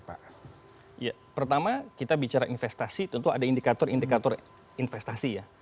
pertama kita bicara investasi tentu ada indikator indikator investasi ya